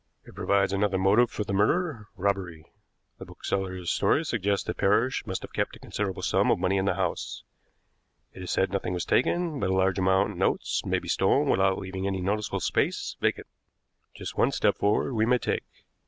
"It provides another motive for the murder robbery. The bookseller's story suggests that Parrish must have kept a considerable sum of money in the house. It is said nothing was taken, but a large amount in notes may be stolen without leaving any noticeable space vacant. Just one step forward we may take.